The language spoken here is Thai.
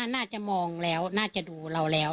น่าจะมองแล้วน่าจะดูเราแล้ว